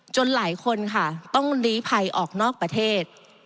หลายคนค่ะต้องลีภัยออกนอกประเทศ